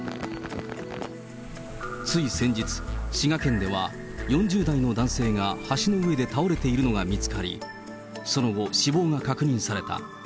つい先日、滋賀県では４０代の男性が橋の上で倒れているのが見つかり、その後、死亡が確認された。